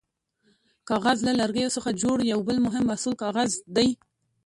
کاغذ: له لرګیو څخه جوړ یو بل مهم محصول کاغذ دی.